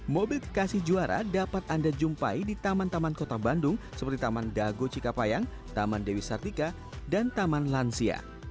mobil kekasih juara dapat anda jumpai di taman taman kota bandung seperti taman dago cikapayang taman dewi sartika dan taman lansia